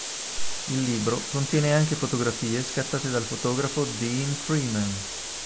Il libro contiene anche fotografie scattate dal fotografo Dean Freeman.